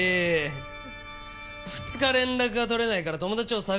２日連絡が取れないから友達を捜してくれ？